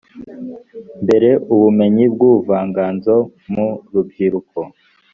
imbere ubumenyi bw ubuvanganzo mu rubyiruko